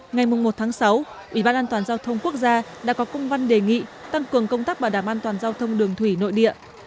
ngày một sáu ủy ban an toàn giao thông quốc gia đã có công văn đề nghị tăng cường công tác bảo đảm an toàn giao thông đường thủy nội địa